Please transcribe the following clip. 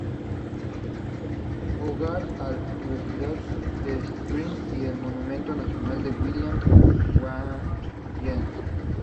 Hogar al universidad de Stirling y el monumento nacional a William Wallace.